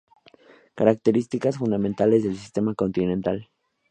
Características fundamentales del sistema continental.